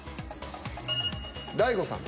大悟さん。